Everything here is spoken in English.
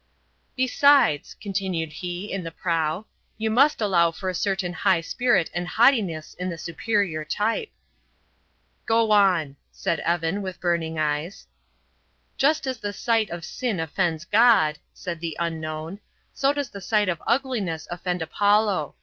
"Besides," continued he, in the prow, "you must allow for a certain high spirit and haughtiness in the superior type." "Go on!" said Evan, with burning eyes. "Just as the sight of sin offends God," said the unknown, "so does the sight of ugliness offend Apollo.